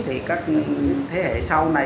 thì các thế hệ sau này